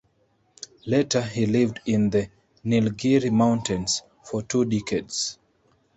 Later, he lived in the Nilgiri mountains for two decades.